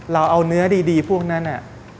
เราเอาเนื้อดีพวกนั้น